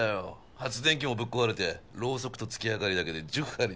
発電機もぶっ壊れてろうそくと月明かりだけで１０針縫った。